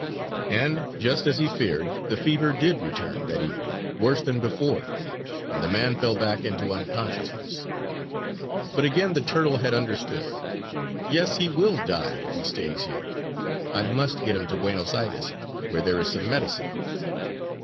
And, just as he feared, the fever did return that evening worse than before; and the man fell back into unconsciousness. But again the turtle had understood: "Yes, he will die, if he stays here! I must get him to Buenos Aires where there is some medicine!"